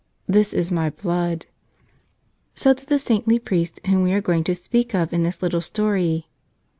"This is My Blood." So did the saintly priest whom we are going to speak of in this little story.